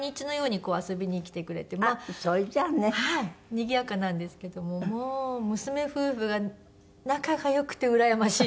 にぎやかなんですけどももう娘夫婦が仲が良くてうらやましいです。